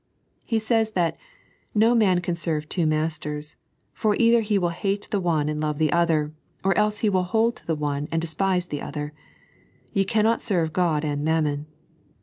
He says that " No man can serve two masters ; for either he will hate the one and love the other, or else he will hold to the one and despise the other. Ye cannot serve Qod and Mammon."